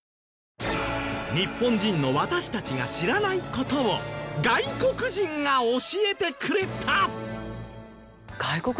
日本人の私たちが知らない事を外国人が教えてくれた。